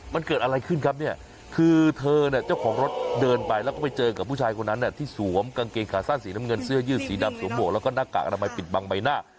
มันเกิดอะไรขึ้นครับเนี่ยคือเธอเนี่ยเจ้าของรถเดินไปแล้วก็ไปเจอกับผู้ชายคนนั้นที่สวมกางเกงขาสั้นสีน้ำเงินเสื้อยืดสีดำสวมหมวกแล้วก็หน้ากากอนามัยปิดบังใบหน้า